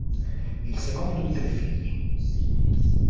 È il secondo di tre figli.